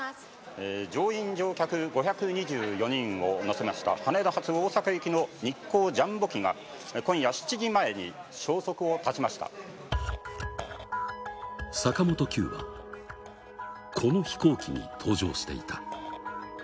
乗員・乗客５２４人を乗せました、羽田発大阪行きの日航ジャンボ機が、坂本九はこの飛行機に搭乗していた。